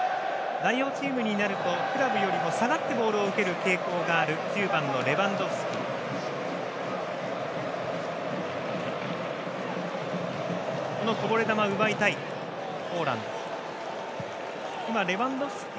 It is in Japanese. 代表チームになるとクラブより下がってボールを受ける傾向にある９番のレバンドフスキ。